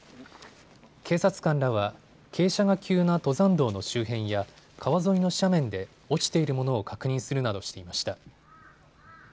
警察官らは傾斜が急な登山道の周辺や川沿いの斜面で落ちているものを確認するなどしていました。